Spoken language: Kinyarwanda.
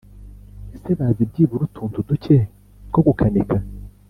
Ese bazi byibura utuntu duke two gukanika